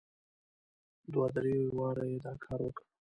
دوه درې واره یې دا کار وکړ.